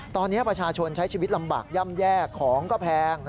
ตอนนี้ประชาชนใช้ชีวิตลำบากย่ำแย่ของก็แพง